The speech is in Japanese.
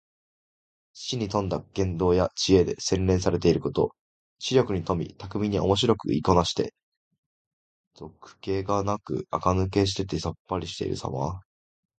機知に富んだ言動や知恵で、洗練されていること。知力に富み、巧みにおもしろく言いこなして、俗気がなくあかぬけしていてさっぱりとしているさま。